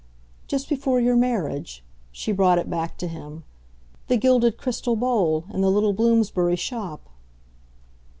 Just before your marriage" she brought it back to him: "the gilded crystal bowl in the little Bloomsbury shop."